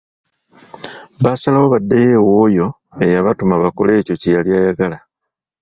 Baasalawo baddeyo ew’oyo eyabatuma bakole ekyo kyeyali ayagala.